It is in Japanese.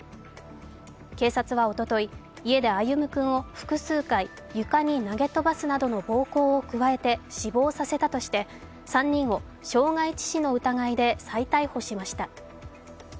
警察はおととい、家で歩夢君を複数回床に投げ飛ばすなどの暴行を加えて死亡させたとして３人を傷害致死の疑いで再逮捕しました。